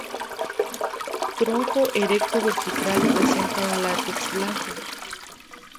Tronco erecto vertical, presenta un látex blanco.